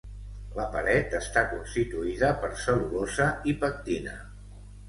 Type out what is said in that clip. La paret està constituïda per cel·lulosa i pectina.